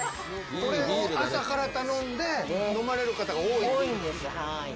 これを朝から頼んで飲まれる方が多いんですね。